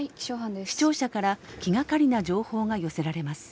視聴者から気がかりな情報が寄せられます。